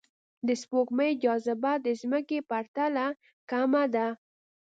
د سپوږمۍ جاذبه د ځمکې په پرتله کمه ده